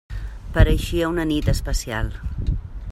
Pareixia una nit especial.